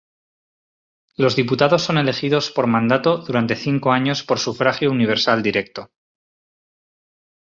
Los diputados son elegidos por mandato durante cinco años por sufragio universal directo.